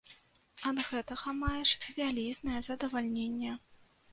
Ад гэтага маеш вялізнае задавальненне.